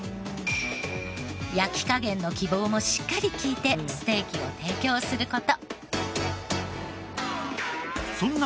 焼き加減の希望もしっかり聞いてステーキを提供する事。